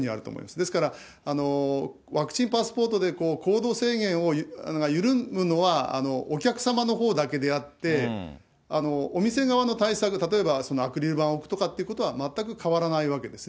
ですから、ワクチンパスポートで行動制限を、緩むのは、お客様のほうだけであって、お店側の対策、例えばアクリル板を置くとかっていうのは全く変わらないわけですね。